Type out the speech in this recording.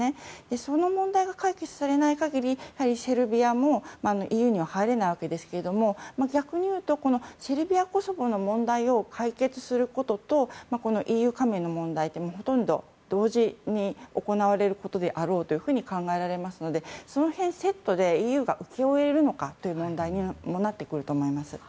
その問題が解決されない限りセルビアもＥＵには入れないわけですが逆に言うとこのセルビア、コソボの問題を解決することとＥＵ加盟の問題ってほとんど同時に行われることであろうと考えられますのでその辺をセットでＥＵが請け負えるのかという問題にもなってくると思います。